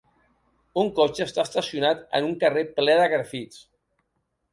Un cotxe està estacionat en un carrer ple de grafits.